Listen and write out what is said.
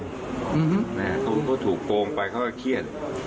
เขาก็ถูกโกงไปเขาก็เครียด